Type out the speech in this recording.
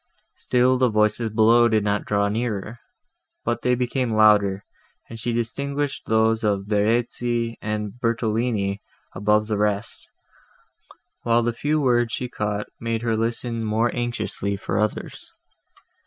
Still the voices below did not draw nearer, but they became louder, and she distinguished those of Verezzi and Bertolini above the rest, while the few words she caught made her listen more anxiously for others.